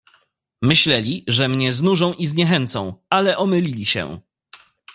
"Myśleli, że mnie znużą i zniechęcą, ale omylili się."